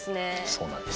そうなんです。